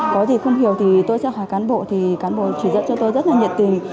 có gì không hiểu thì tôi sẽ hỏi cán bộ thì cán bộ chỉ dẫn cho tôi rất là nhiệt tình